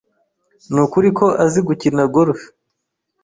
Nukuri ko azi gukina golf.